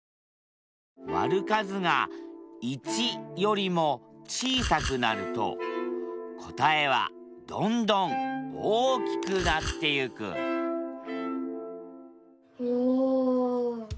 割る数が１よりも小さくなると答えはどんどん大きくなってゆくおお！